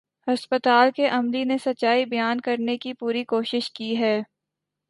ہسپتال کے عملے نے سچائی بیان کرنے کی پوری کوشش کی ہے